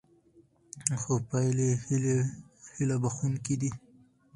خو پایلې هیله بښوونکې دي.